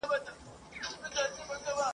د ښکاری هم حوصله پر ختمېدو وه ..